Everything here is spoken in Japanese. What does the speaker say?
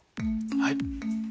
はい。